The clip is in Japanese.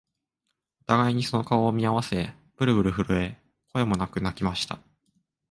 お互いにその顔を見合わせ、ぶるぶる震え、声もなく泣きました